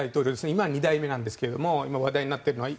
今、２代目なんですが今、話題になっているのは。